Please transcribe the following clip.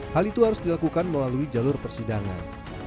hal itu harus dilakukan melalui jalur persidangan